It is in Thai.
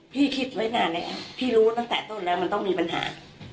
คิดไว้นานไหมคะพี่รู้ตั้งแต่ต้นแล้วมันต้องมีปัญหา